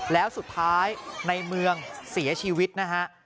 แล้วสุดท้ายในเมืองเสียชีวิตนะฮะ